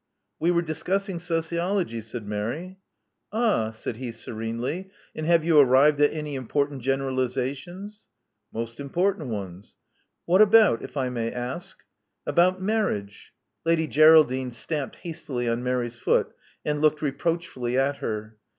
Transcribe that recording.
*'We were discussing sociology," said Mary. Ah!" said he serenely. And have you arrived at any important generalizations?" *' Most important ones. *' "What about?— if I may ask." About marriage. *' Lady Geraldine stamped hastily on Mary's foot, and looked reproachfully at her.